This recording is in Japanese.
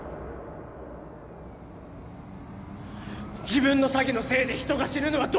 自分の詐欺のせいで人が死ぬのはどんな気分だよ！